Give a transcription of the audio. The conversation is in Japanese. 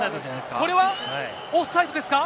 これは、オフサイドですか？